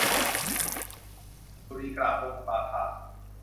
อสุรีกราบลงกับบาทา